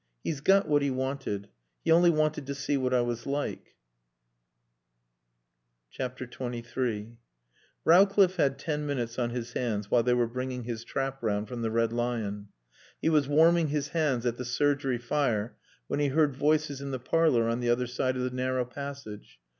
"He's got what he wanted. He only wanted to see what I was like." XXIII Rowcliffe had ten minutes on his hands while they were bringing his trap round from the Red Lion. He was warming his hands at the surgery fire when he heard voices in the parlor on the other side of the narrow passage.